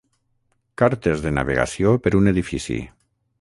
Cartes de navegació per un edifici.